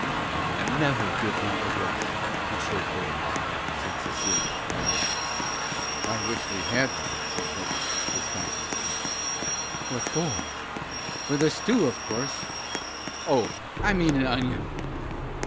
"I never give my address to chauffeurs," said Cecilia, haughtily. "I wish we had one," said Hetty, disconsolately. "What for?" "For the stew, of course oh, I mean an onion."